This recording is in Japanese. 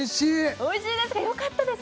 おいしいですかよかったです